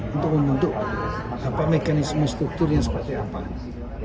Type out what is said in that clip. untuk membentuk apa mekanisme struktur yang seperti apa